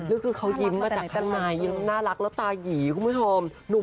แล้วคือเขายิ้มมาจากข้างในยิ้มน่ารักแล้วตายีคุณผู้ชม